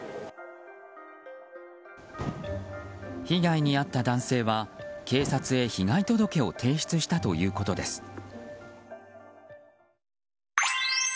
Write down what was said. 被害に遭った男性は警察へ被害届を提出したということです。